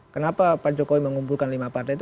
kenapa pak jokowi mengumpulkan lima partai itu